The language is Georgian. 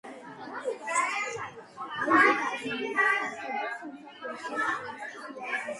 დემონტაჟის პროცესს ხელმძღვანელობდა სომხეთის საგანგებო სიტუაციათა სამინისტრო.